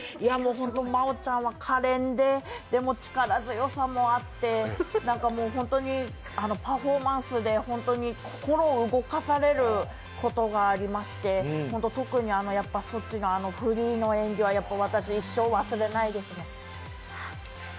真央ちゃんは可憐ででも、力強さもあって、ホントにパフォーマンスで本当に心を動かされることがありまして、特にやっぱり、ソチのフリーの演技は私一生忘れないですね。